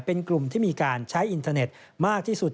เป็นกลุ่มที่มีการใช้อินเทอร์เน็ตมากที่สุด